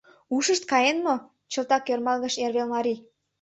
— Ушышт каен мо? — чылтак ӧрмалгыш эрвелмарий.